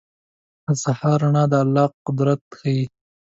• د سهار رڼا د الله قدرت ښيي.